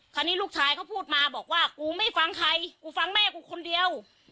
คราวนี้ลูกชายเขาพูดมาบอกว่ากูไม่ฟังใครกูฟังแม่กูคนเดียว